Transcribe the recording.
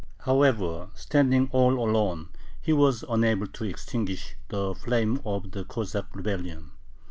However, standing all alone, he was unable to extinguish the flame of the Cossack rebellion.